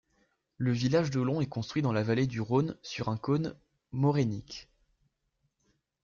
Le village d'Ollon est construit dans la Vallée du Rhône sur un cône morainique.